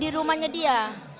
di rumahnya dia